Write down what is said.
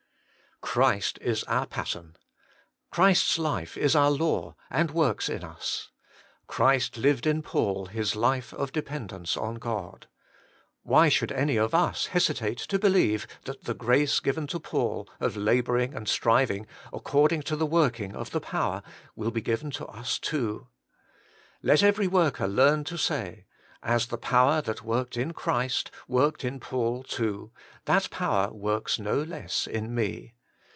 Christ is our pattern. Christ's life is our law and works in us. Christ lived in Paul his life of dependence on God. . Why should any of us hesitate to believe that the grace given to Paul of labouring and striv Working for God 131 ing ' according to the working of the power ' will be given to us too. Let every worker learn to say — As the power that worked in Christ worked in Paul too, that power works no less in me.